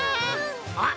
あっ！